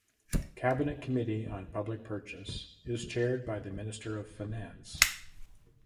Cabinet Committee on Public Purchase is chaired by the Minister of Finance.